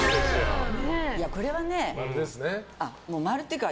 これはね、○っていうか。